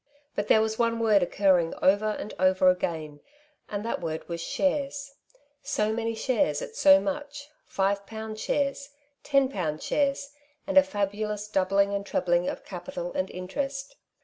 But there was one word occurring over and over again, and that word was slvares. So many shares at so much — five pound shares — ten pound shares ; and a fabalous doabling and trebling of capital and interest.